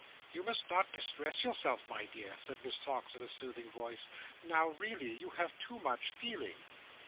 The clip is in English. "You must not distress yourself, my dear," said Miss Tox, in a soothing voice. "Now really! You have too much feeling."